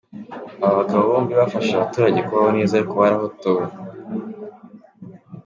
Aba bagabo bombi bafashije abaturage kubaho neza, ariko barahotowe.